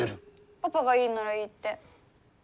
パパがいいならいいって。